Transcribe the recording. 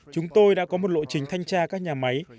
chúng tôi đã có một lộ trình thanh tra các nhà máy